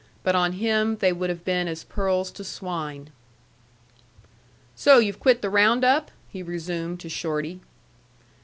But on him they would have been as pearls to swine. "So you've quit the round up?" he resumed to Shorty.